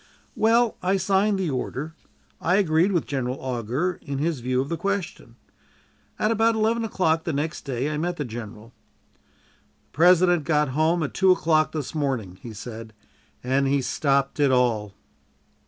Well, I signed the order; I agreed with General Augur in his view of the question. At about eleven o'clock the next day I met the general. "The President got home at two o'clock this morning," he said, "and he stopped it all."